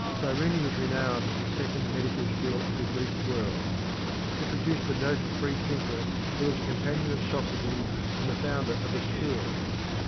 Cyrene was renowned as the second medical school of the Greek world. It produced a noted free thinker, who was a companion of Socrates and the founder of a school.